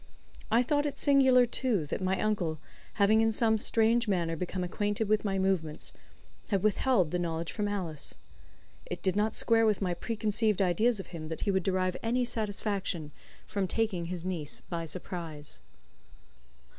I thought it singular, too, that my uncle, having in some strange manner become acquainted with my movements, had withheld the knowledge from Alice. It did not square with my preconceived ideas of him that he would derive any satisfaction from taking his niece by surprise.